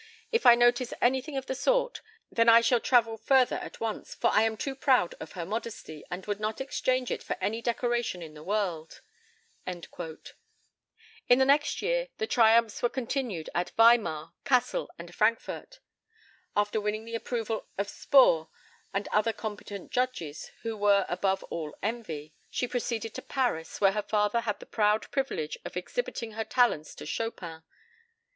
If I notice anything of the sort, then I shall travel further at once, for I am too proud of her modesty, and would not exchange it for any decoration in the world." In the next year the triumphs were continued at Weimar, Cassel, and Frankfurt. After winning the approval of Spohr and other competent judges who were above all envy, she proceeded to Paris, where her father had the proud privilege of exhibiting her talents to Chopin.